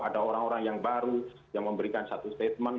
ada orang orang yang baru yang memberikan satu statement